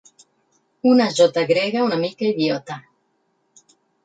Una jota grega una mica idiota.